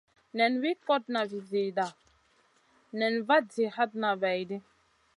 Nen wi kotna vi zida nen vat zi hatna vaidi.